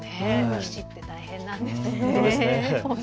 棋士って大変なんですね。